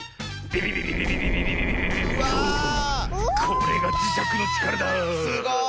これがじしゃくのちからだ。